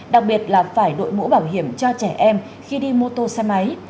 đặc biệt là phải đội mũ bảo hiểm cho trẻ em khi đi mô tô xe máy